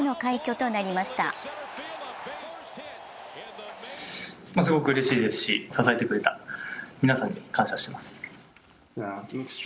すごくうれしいですし、支えてくれた皆さんに感謝します。